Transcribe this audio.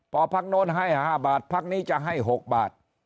พอพักโน้นให้๕บาทพักนี้จะให้๖บาท